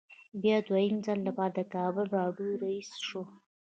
بیا د دویم ځل لپاره د کابل راډیو رییس شو.